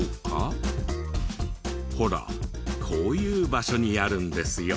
ほらこういう場所にあるんですよ。